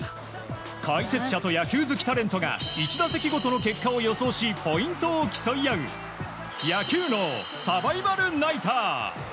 解説者と野球好きタレントが１打席ごとの結果を予想しポイントを競い合う野球脳サバイバルナイター。